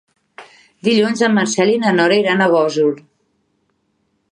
Dilluns en Marcel i na Nora iran a Gósol.